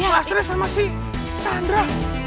mas reh sama si chandra